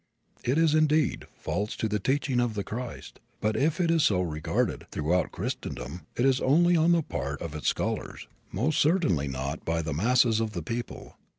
It is, indeed, false to the teaching of the Christ but if it is so regarded "throughout Christendom" it is only on the part of its scholars; most certainly not by the masses of the people.